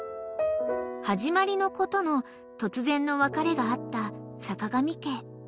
［始まりの子との突然の別れがあった坂上家］